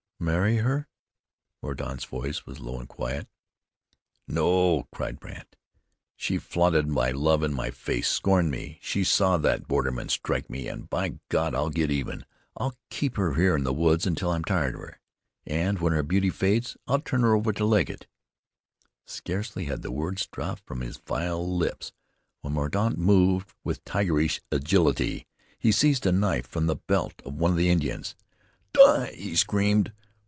"Marry her?" Mordaunt's voice was low and quiet. "No!" cried Brandt. "She flaunted my love in my face, scorned me! She saw that borderman strike me, and by God! I'll get even. I'll keep her here in the woods until I'm tired of her, and when her beauty fades I'll turn her over to Legget." Scarcely had the words dropped from his vile lips when Mordaunt moved with tigerish agility. He seized a knife from the belt of one of the Indians. "Die!" he screamed.